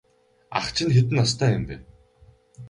Ах чинь хэдэн настай юм бэ?